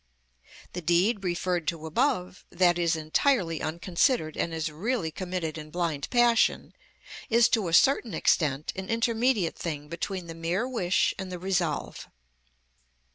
The deed referred to above, that is entirely unconsidered and is really committed in blind passion, is to a certain extent an intermediate thing between the mere wish and the resolve.